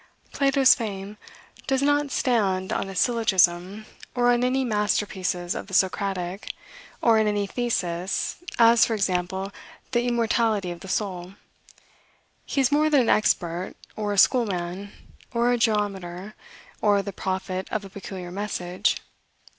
Plato's fame does not stand on a syllogism, or on any masterpieces of the Socratic, or on any thesis, as, for example, the immortality of the soul. He is more than an expert, or a school man, or a geometer, or the prophet of a peculiar message.